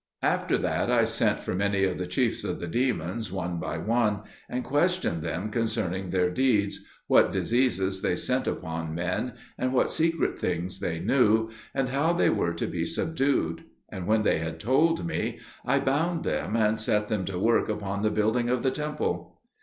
After that I sent for many of the chief of the demons, one by one, and questioned them concerning their deeds, what diseases they sent upon men, and what secret things they knew, and how they were to be subdued; and when they had told me, I bound them, and set them to work upon the building of the temple.